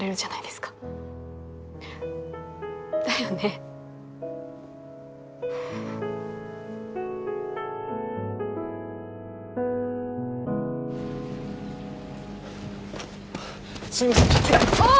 すいません痛っ！